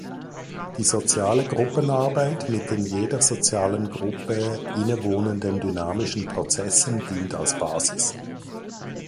Die soziale Gruppenarbeit mit den jeder sozialen Gruppe innewohnenden dynamischen Prozessen dient als Basis.